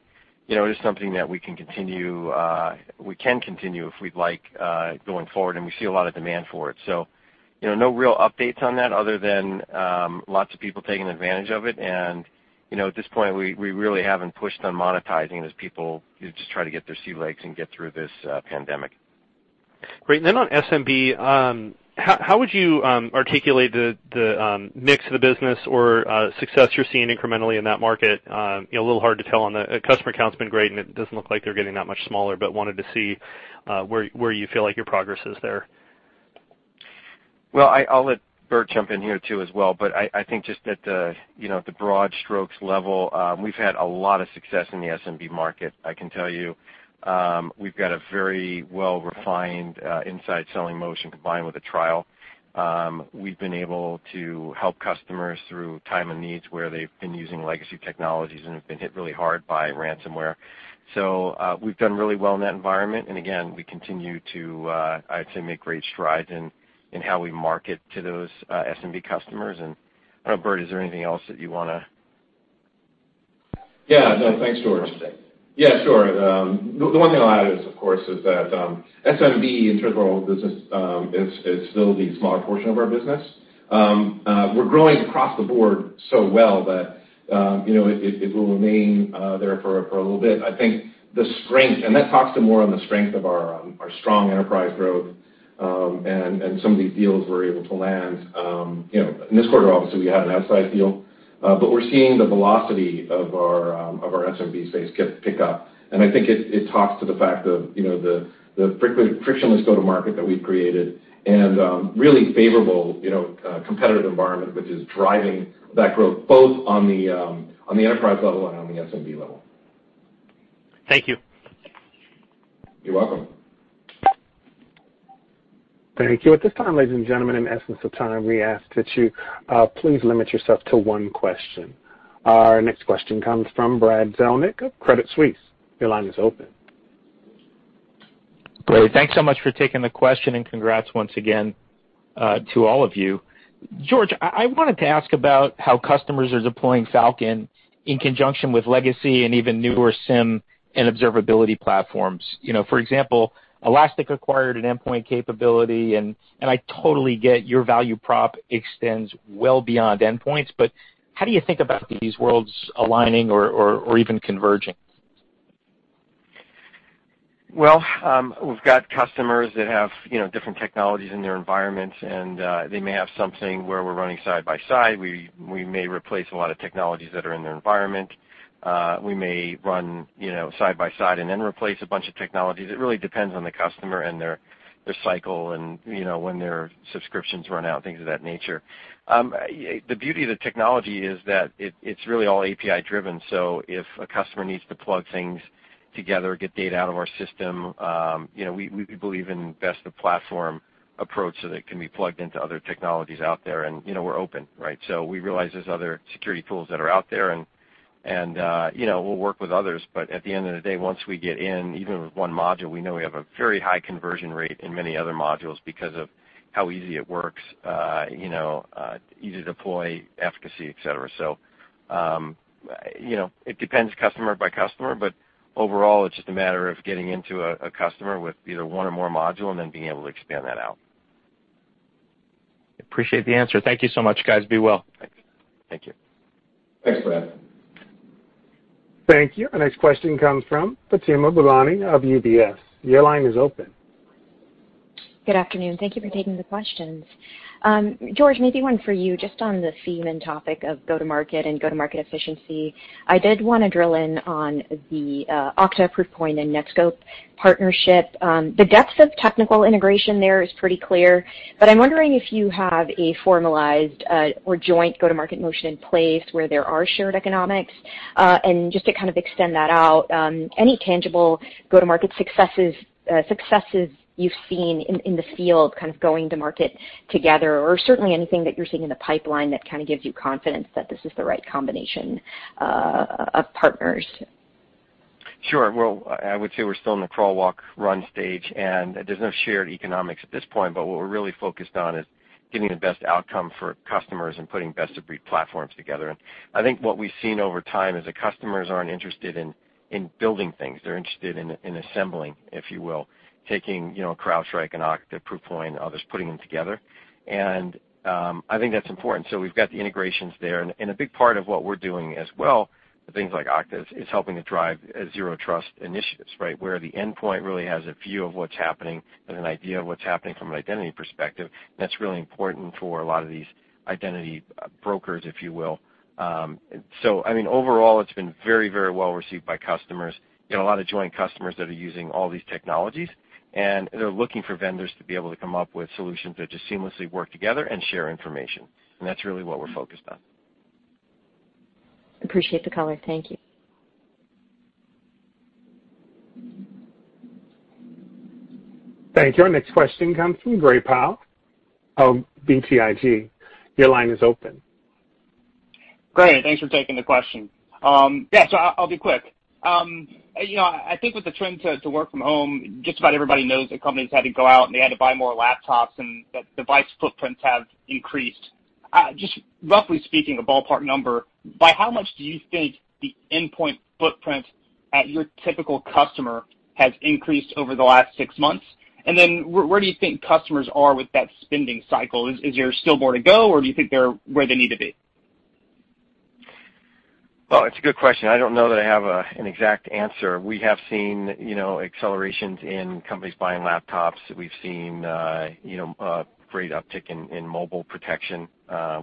it is something that we can continue if we'd like, going forward, and we see a lot of demand for it. No real updates on that other than, lots of people taking advantage of it. At this point, we really haven't pushed on monetizing as people just try to get their sea legs and get through this pandemic. Great. On SMB, how would you articulate the mix of the business or success you're seeing incrementally in that market? A little hard to tell on the customer count's been great, and it doesn't look like they're getting that much smaller, but wanted to see where you feel like your progress is there. Well, I'll let Burt jump in here too as well, but I think just at the broad strokes level, we've had a lot of success in the SMB market. I can tell you, we've got a very well-refined inside selling motion combined with a trial. We've been able to help customers through time and needs where they've been using legacy technologies and have been hit really hard by ransomware. We've done really well in that environment, and again, we continue to make great strides in how we market to those SMB customers and I don't know, Burt, is there anything else that you want to? Yeah. No, thanks, George. Yeah, sure. The one thing I'll add is, of course, is that SMB in terms of our whole business, is still the smaller portion of our business. We're growing across the board so well that it will remain there for a little bit. I think the strength, and that talks to more on the strength of our strong enterprise growth, and some of these deals we're able to land. In this quarter, obviously, we had an outside deal, but we're seeing the velocity of our SMB space pick up. I think it talks to the fact of the frictionless go-to-market that we've created and really favorable competitive environment, which is driving that growth both on the enterprise level and on the SMB level. Thank you. You're welcome. Thank you. At this time, ladies and gentlemen, in essence of time, we ask that you please limit yourself to one question. Our next question comes from Brad Zelnick of Credit Suisse. Your line is open. Great. Thanks so much for taking the question. Congrats once again to all of you. George, I wanted to ask about how customers are deploying Falcon in conjunction with legacy and even newer SIEM and observability platforms. For example, Elastic acquired an endpoint capability, and I totally get your value prop extends well beyond endpoints, but how do you think about these worlds aligning or even converging? Well, we've got customers that have different technologies in their environments, and they may have something where we're running side by side. We may replace a lot of technologies that are in their environment. We may run side by side and then replace a bunch of technologies. It really depends on the customer and their cycle and when their subscriptions run out, things of that nature. The beauty of the technology is that it's really all API-driven, so if a customer needs to plug things together, get data out of our system, we believe in best of platform approach so that it can be plugged into other technologies out there, and we're open, right? We realize there's other security tools that are out there and we'll work with others, but at the end of the day, once we get in, even with one module, we know we have a very high conversion rate in many other modules because of how easy it works. Easy to deploy, efficacy, et cetera. It depends customer by customer, but overall, it's just a matter of getting into a customer with either one or more module, and then being able to expand that out. Appreciate the answer. Thank you so much, guys. Be well. Thanks. Thank you. Thanks, Brad. Thank you. Our next question comes from Fatima Boolani of UBS. Your line is open. Good afternoon. Thank you for taking the questions. George, maybe one for you, just on the theme and topic of go to market and go to market efficiency. I did want to drill in on the Okta, Proofpoint, and Netskope partnership. The depths of technical integration there is pretty clear, but I'm wondering if you have a formalized, or joint go to market motion in place where there are shared economics. Just to kind of extend that out, any tangible go to market successes you've seen in the field kind of going to market together, or certainly anything that you're seeing in the pipeline that kind of gives you confidence that this is the right combination of partners. Sure. Well, I would say we're still in the crawl, walk, run stage, and there's no shared economics at this point, but what we're really focused on is getting the best outcome for customers and putting best-of-breed platforms together. I think what we've seen over time is that customers aren't interested in building things. They're interested in assembling, if you will, taking CrowdStrike and Okta, Proofpoint and others, putting them together, and I think that's important. We've got the integrations there, and a big part of what we're doing as well with things like Okta is helping to drive zero trust initiatives, right? Where the endpoint really has a view of what's happening and an idea of what's happening from an identity perspective. That's really important for a lot of these identity brokers, if you will. I mean, overall, it's been very well received by customers. A lot of joint customers that are using all these technologies. They're looking for vendors to be able to come up with solutions that just seamlessly work together and share information. That's really what we're focused on. Appreciate the color. Thank you. Thank you. Our next question comes from Gray Powell of BTIG. Your line is open. Great, thanks for taking the question. I'll be quick. I think with the trend to work from home, just about everybody knows that companies had to go out, and they had to buy more laptops and that device footprints have increased. Just roughly speaking, a ballpark number, by how much do you think the endpoint footprint at your typical customer has increased over the last six months? Where do you think customers are with that spending cycle? Is there still more to go, or do you think they're where they need to be? Well, it's a good question. I don't know that I have an exact answer. We have seen accelerations in companies buying laptops. We've seen a great uptick in mobile protection.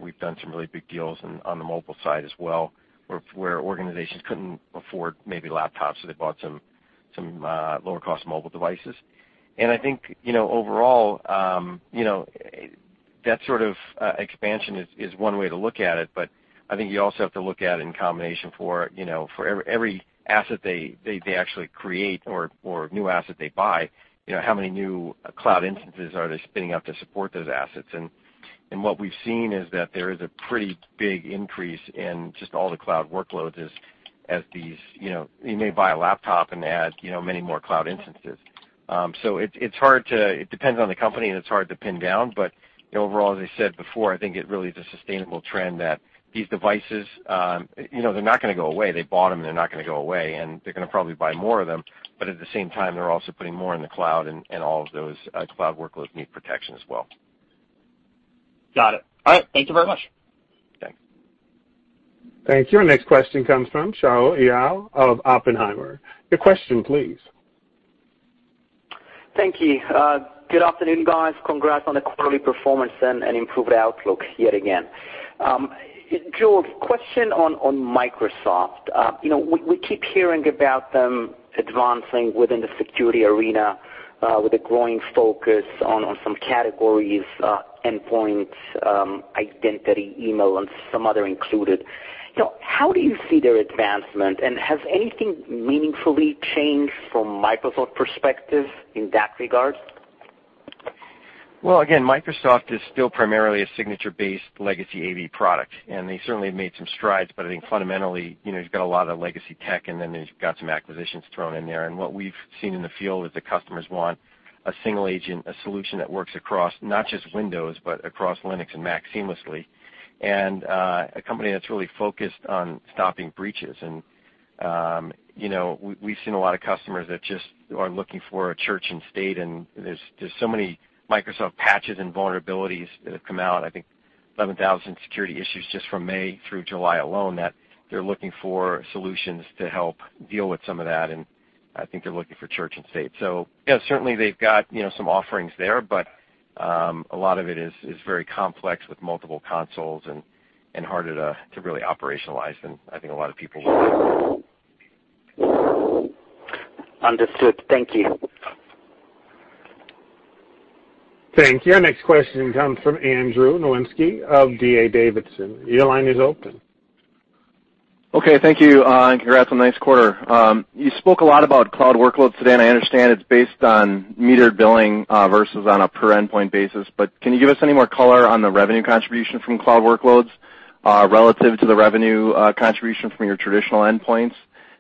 We've done some really big deals on the mobile side as well, where organizations couldn't afford maybe laptops, so they bought some lower-cost mobile devices. I think, overall, that sort of expansion is one way to look at it. I think you also have to look at it in combination for every asset they actually create or new asset they buy, how many new cloud instances are they spinning up to support those assets? What we've seen is that there is a pretty big increase in just all the cloud workloads. You may buy a laptop and add many more cloud instances. It depends on the company, and it's hard to pin down. Overall, as I said before, I think it really is a sustainable trend that these devices, they're not going to go away. They bought them, they're not going to go away, and they're going to probably buy more of them. At the same time, they're also putting more in the cloud, and all of those cloud workloads need protection as well. Got it. All right. Thank you very much. Thanks. Thank you. Our next question comes from Shaul Eyal of Oppenheimer. Your question, please. Thank you. Good afternoon, guys. Congrats on the quarterly performance and improved outlook yet again. George, question on Microsoft. We keep hearing about them advancing within the security arena, with a growing focus on some categories, endpoints, identity, email, and some other included. How do you see their advancement, and has anything meaningfully changed from Microsoft perspective in that regard? Again, Microsoft is still primarily a signature-based legacy AV product, they certainly have made some strides. I think fundamentally, you've got a lot of legacy tech, you've got some acquisitions thrown in there. What we've seen in the field is that customers want a single agent, a solution that works across not just Windows, but across Linux and Mac seamlessly, and a company that's really focused on stopping breaches. We've seen a lot of customers that just are looking for a church and state, there's so many Microsoft patches and vulnerabilities that have come out, I think 11,000 security issues just from May through July alone, that they're looking for solutions to help deal with some of that, and I think they're looking for church and state. Certainly, they've got some offerings there, but a lot of it is very complex with multiple consoles and harder to really operationalize, and I think a lot of people. Understood. Thank you. Thank you. Our next question comes from Andrew Nowinski of D.A. Davidson. Your line is open. Okay. Thank you. Congrats on the nice quarter. You spoke a lot about cloud workloads today, and I understand it's based on metered billing versus on a per-endpoint basis, but can you give us any more color on the revenue contribution from cloud workloads relative to the revenue contribution from your traditional endpoints?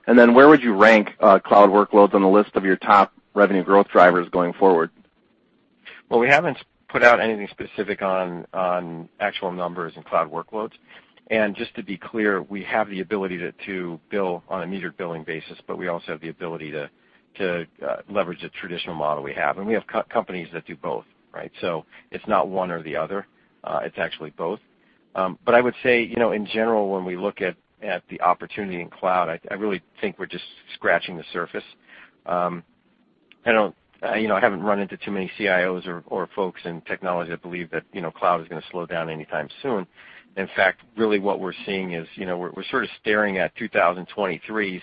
Where would you rank cloud workloads on the list of your top revenue growth drivers going forward? Well, we haven't put out anything specific on actual numbers in cloud workloads. Just to be clear, we have the ability to bill on a metered billing basis, but we also have the ability to leverage the traditional model we have. We have companies that do both, right? It's not one or the other. It's actually both. I would say, in general, when we look at the opportunity in cloud, I really think we're just scratching the surface. I haven't run into too many CIOs or folks in technology that believe that cloud is going to slow down anytime soon. In fact, really what we're seeing is we're sort of staring at 2023's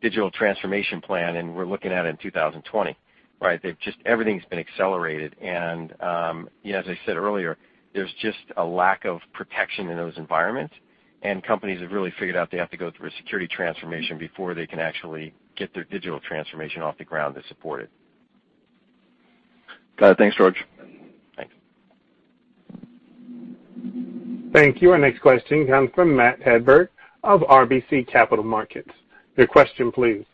digital transformation plan, and we're looking at it in 2020, right? Everything's been accelerated. As I said earlier, there's just a lack of protection in those environments, and companies have really figured out they have to go through a security transformation before they can actually get their digital transformation off the ground to support it. Got it. Thanks, George. Thanks. Thank you. Our next question comes from Matt Hedberg of RBC Capital Markets. Your question, please.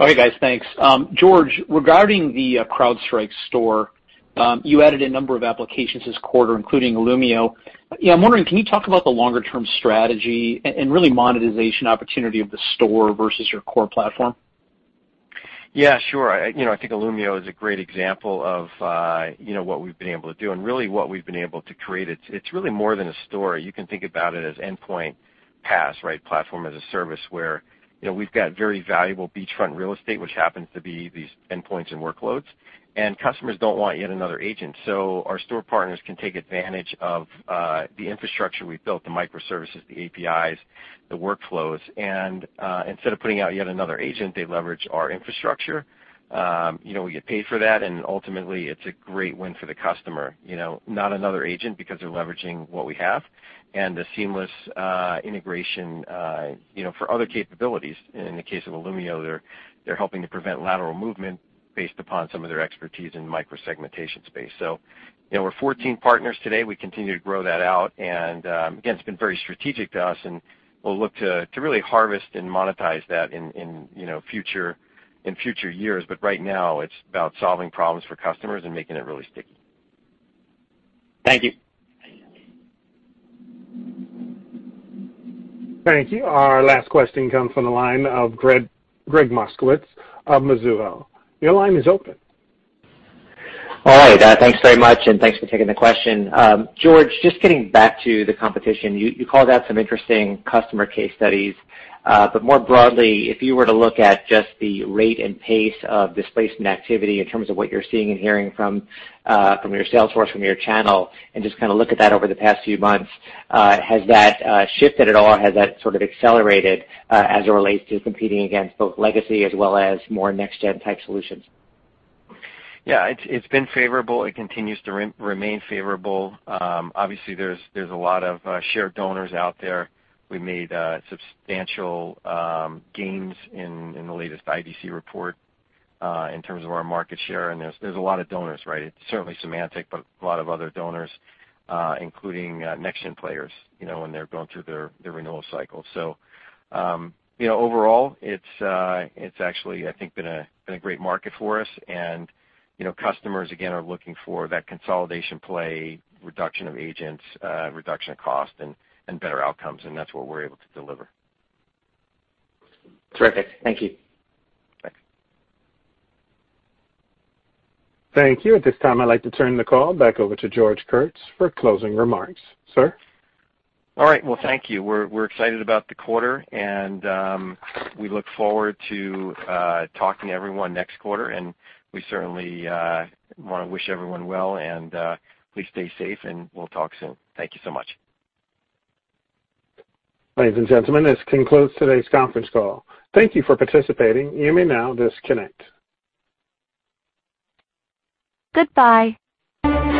Okay, guys. Thanks. George, regarding the CrowdStrike Store, you added a number of applications this quarter, including Illumio. I'm wondering, can you talk about the longer-term strategy and really monetization opportunity of the Store versus your core platform? Sure. I think Illumio is a great example of what we've been able to do and really what we've been able to create. It's really more than a store. You can think about it as endpoint PaaS, right? Platform as a service where we've got very valuable beachfront real estate, which happens to be these endpoints and workloads. Customers don't want yet another agent. Our store partners can take advantage of the infrastructure we've built, the microservices, the APIs, the workflows, and instead of putting out yet another agent, they leverage our infrastructure. We get paid for that, and ultimately, it's a great win for the customer. Not another agent because they're leveraging what we have and the seamless integration for other capabilities. In the case of Illumio, they're helping to prevent lateral movement based upon some of their expertise in micro-segmentation space. We're 14 partners today. We continue to grow that out, and again, it's been very strategic to us, and we'll look to really harvest and monetize that in future years. Right now, it's about solving problems for customers and making it really sticky. Thank you. Thank you. Our last question comes from the line of Gregg Moskowitz of Mizuho. Your line is open. All right. Thanks very much, and thanks for taking the question. George, just getting back to the competition, you called out some interesting customer case studies. More broadly, if you were to look at just the rate and pace of displacement activity in terms of what you're seeing and hearing from your sales force, from your channel, and just kind of look at that over the past few months, has that shifted at all? Has that sort of accelerated as it relates to competing against both legacy as well as more next-gen type solutions? Yeah. It's been favorable. It continues to remain favorable. Obviously, there's a lot of shared donors out there. We made substantial gains in the latest IDC report in terms of our market share, and there's a lot of donors, right? It's certainly Symantec, but a lot of other donors including next-gen players, when they're going through their renewal cycle. Overall, it's actually, I think, been a great market for us, and customers, again, are looking for that consolidation play, reduction of agents, reduction of cost, and better outcomes, and that's what we're able to deliver. Terrific. Thank you. Thanks. Thank you. At this time, I'd like to turn the call back over to George Kurtz for closing remarks. Sir? All right. Well, thank you. We're excited about the quarter, and we look forward to talking to everyone next quarter, and we certainly want to wish everyone well, and please stay safe, and we'll talk soon. Thank you so much. Ladies and gentlemen, this concludes today's conference call. Thank you for participating. You may now disconnect. Goodbye.